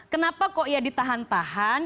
kenapa kok ya ditahan tahan